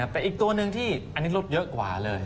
แต่อีกตัวหนึ่งที่อันนี้ลดเยอะกว่าเลย